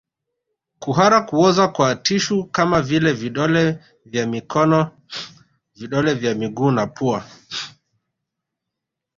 Kuhara kuoza kwa tishu kama vile vidole vya mikono vidole vya miguu na pua